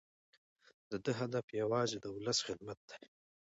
د ده هدف یوازې د ولس خدمت دی.